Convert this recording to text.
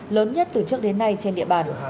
lớn nhất từ trước đến nay trên địa bàn